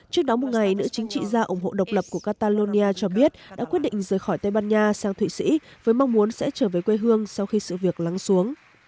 trước đó một ngày nữ chính trị gia ủng hộ độc lập của catalonia cho biết đã quyết định rời khỏi tây ban nha sang thụy sĩ với mong muốn sẽ trở về quê hương sau khi sự việc lắng xuống